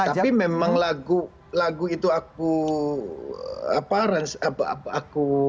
tapi memang lagu itu aku